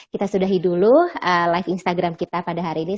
kita sudahi dulu live instagram kita pada hari ini